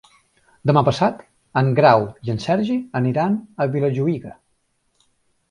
Demà passat en Grau i en Sergi aniran a Vilajuïga.